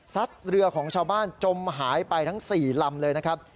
เรือของชาวบ้านจมหายไปทั้ง๔ลำเลยนะครับ